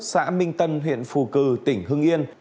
xã minh tân huyện phù cử tỉnh hưng yên